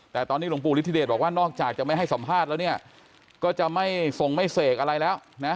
แต่ตอนนี้หลวงปู่ฤทธิเดชบอกว่านอกจากจะไม่ให้สัมภาษณ์แล้วเนี่ยก็จะไม่ส่งไม่เสกอะไรแล้วนะ